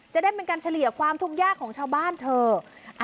จะได้เป็นการเฉลี่ยความทุกข์ยากของชาวบ้านเธอ